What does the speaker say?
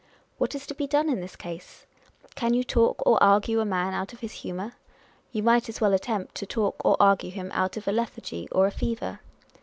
What is to be done in this case? Can you talk or argue a man out of his humour ? You might as well attempt to talk or argue him out of a lethargy, or a fever.